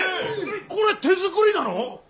これ手作りなの？